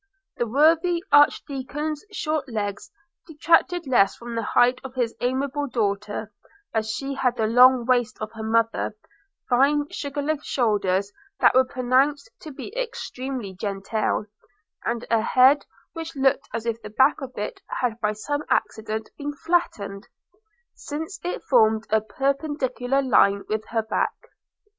The worthy archdeacon's short legs detracted less from the height of his amiable daughter, as she had the long waist of her mother, fine sugar loaf shoulders that were pronounced to be extremely genteel, and a head which looked as if the back of it had by some accident been flattened, since it formed a perpendicular line with her back.